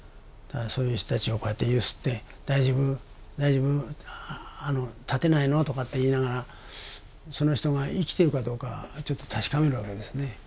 そういう人たちをこうやって揺すって「大丈夫大丈夫？立てないの？」とかって言いながらその人が生きてるかどうかちょっと確かめるわけですね。